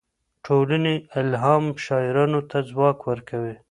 ټولنې الهام شاعرانو ته ځواک ورکوي.